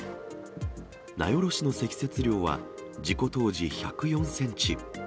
名寄市の積雪量は、事故当時、１０４センチ。